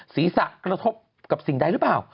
กระทบกับสิ่งใดหรือเปล่า